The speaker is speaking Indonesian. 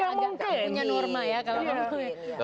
agak tak punya norma ya